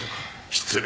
失礼。